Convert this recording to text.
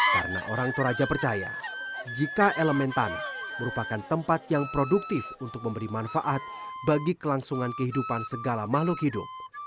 karena orang toraja percaya jika elemen tanah merupakan tempat yang produktif untuk memberi manfaat bagi kelangsungan kehidupan segala makhluk hidup